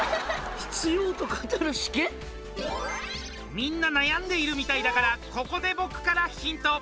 みんな悩んでいるみたいだからここで僕からヒント！